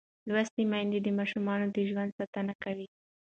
لوستې میندې د ماشوم د ژوند ساتنه کوي.